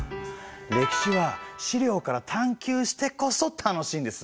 歴史は資料から探究してこそ楽しいんです。